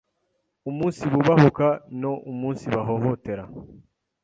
umunsibubahuka no umunsibahohotera